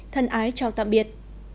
thân ái chào tạm biệt